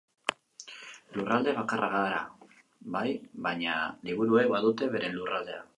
Lurralde bakarra gara, bai, baina liburuek badute beren lurraldea.